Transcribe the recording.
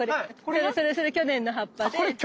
それそれそれ去年の葉っぱで。